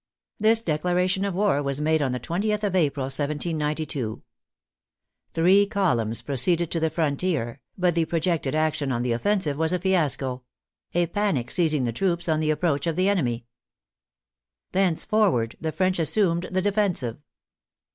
This declaration of war was made on the 20th of April, 1792. Three columns proceeded to the frontier, but the pro jected action on the offensive was a fiasco — a panic seizing the troops on the approach of the enemy. Thenceforward, the French assumed the defensive.